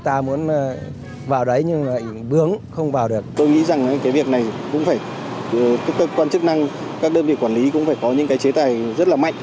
tôi nghĩ rằng cái việc này cũng phải các cơ quan chức năng các đơn vị quản lý cũng phải có những cái chế tài rất là mạnh